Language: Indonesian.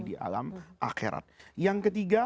di alam akhirat yang ketiga